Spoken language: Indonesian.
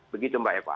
begitu mbak eva